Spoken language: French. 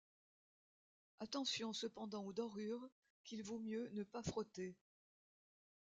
Attention cependant aux dorures qu'il vaut mieux ne pas frotter.